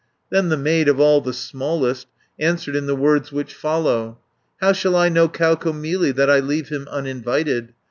590 Then the maid, of all the smallest, Answered in the words which follow: "How shall I know Kaukomieli That I leave him uninvited?